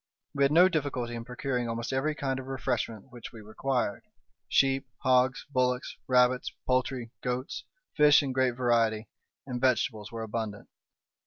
We had no difficulty in procuring almost every kind of refreshment which we required—sheep, hogs, bullocks, rabbits, poultry, goats, fish in great variety, and vegetables were abundant.